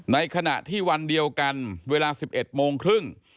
ในขณะที่วันเดียวกันเวลา๑๑โมงครึ่ง